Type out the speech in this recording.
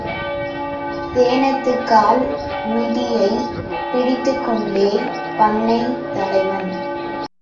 சேணத்துக்கால் மிதியைப் பிடித்துக்கொண்டே, பண்ணைத் தலைவன்.